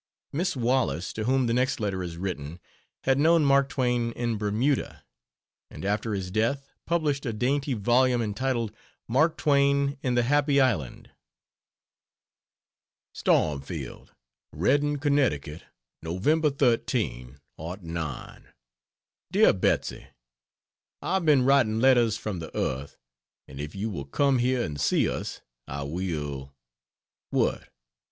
Miss Wallace, to whom the next letter is written, had known Mark Twain in Bermuda, and, after his death, published a dainty volume entitled Mark Twain in the Happy Island. "STORMFIELD," REDDING, CONNECTICUT, Nov. 13, '09. DEAR BETSY, I've been writing "Letters from the Earth," and if you will come here and see us I will what?